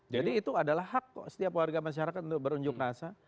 jadi itu adalah hak setiap warga masyarakat untuk berunjuk rasa